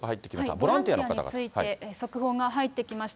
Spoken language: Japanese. ボランティアについて速報が入ってきました。